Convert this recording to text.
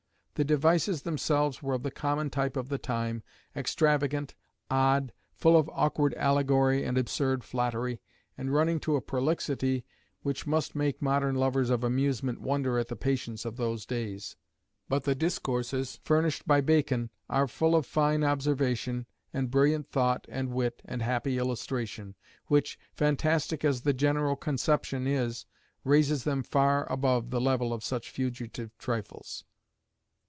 The "devices" themselves were of the common type of the time, extravagant, odd, full of awkward allegory and absurd flattery, and running to a prolixity which must make modern lovers of amusement wonder at the patience of those days; but the "discourses" furnished by Bacon are full of fine observation and brilliant thought and wit and happy illustration, which, fantastic as the general conception is, raises them far above the level of such fugitive trifles.